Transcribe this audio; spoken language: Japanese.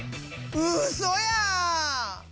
うそや！